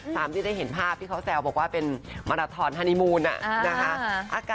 ตามที่ได้เห็นภาพที่เขาแซวบอกว่าเป็นมาราทอนฮานีมูลนะคะ